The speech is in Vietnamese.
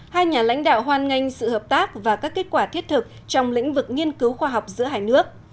hai nhà lãnh đạo hoan nghênh sự hợp tác và các kết quả thiết thực trong lĩnh vực nghiên cứu khoa học giữa hai nước